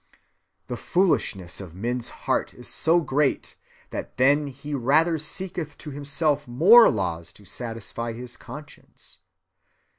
The foolishness of man's heart is so great that then he rather seeketh to himself more laws to satisfy his conscience.